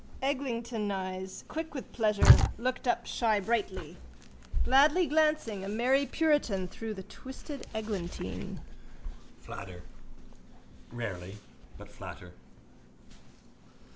Eglintoneyes, quick with pleasure, looked up shybrightly. Gladly glancing, a merry puritan, through the twisted eglantine. Flatter. Rarely. But flatter.